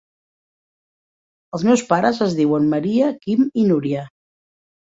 Els meus pares es diuen Maria, Quim i Núria.